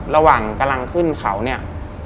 ระหว่างกำลังขึ้นเขาเนี่ย